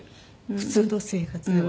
普通の生活では。